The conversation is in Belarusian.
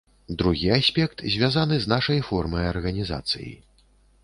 Другі аспект звязаны з нашай формай арганізацыі.